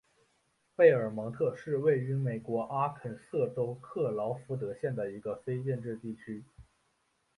贝尔蒙特是位于美国阿肯色州克劳福德县的一个非建制地区。